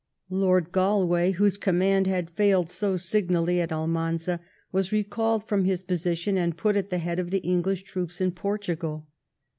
Lord Galway, whose command had failed so signally at Almanza, was recalled from his position, and put at the head of the English troops in Portugal.